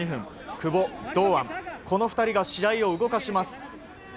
久保、堂安この２人が試合を動かします。